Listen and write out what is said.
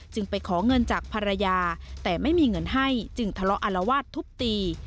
ไปขอเงินจากภรรยาแต่ไม่มีเงินให้จึงทะเลาะอารวาสทุบตี